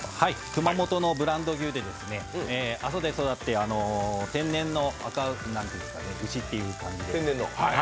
熊本のブランド牛で阿蘇で育って天然の牛という感じで。